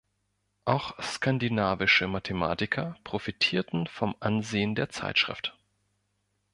Auch skandinavische Mathematiker profitierten vom Ansehen der Zeitschrift.